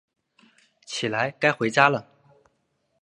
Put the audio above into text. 起来，该回家了